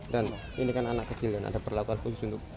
dan ini kan anak kecil dan ada perlaku hal khusus untuk